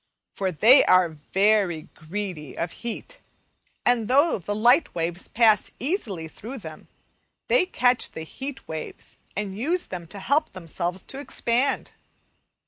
For they are very greedy of heat, and though the light waves pass easily through them, they catch the heat waves and use them to help themselves to expand.